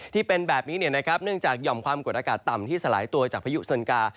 ที่เป็นแบบนี้เนื่องจากหย่อมความกดอากาศต่ำที่สลายตัวจากพายุเซินกา